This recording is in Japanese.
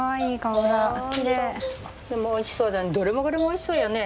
おいしそうだね。